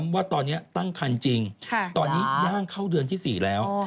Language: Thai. ว่าตอนนี้ตั้งคันจริงตอนนี้ย่างเข้าเดือนที่๔แล้ว